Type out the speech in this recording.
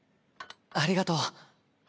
ありがとう。